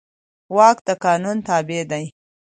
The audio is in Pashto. واک د قانون تابع دی.